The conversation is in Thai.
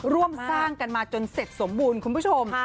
ร่วมสร้างกันมาจนเสร็จสมบูรณ์คุณผู้ชม